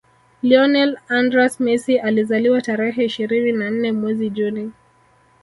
Lionel AndrÃs Messi alizaliwa tarehe ishirini na nne mwezi Juni